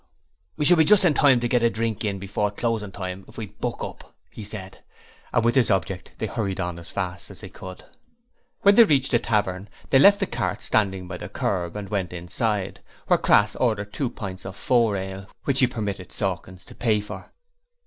'We shall be just in time to get a drink before closing time if we buck up,' he said. And with this object they hurried on as fast as they could. When they reached the tavern they left the cart standing by the kerb, and went inside, where Crass ordered two pints of four ale, which he permitted Sawkins to pay for.